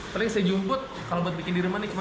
paling saya jumput kalau buat bikin di rumah ini cuma